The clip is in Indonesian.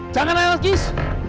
jangan lewat guys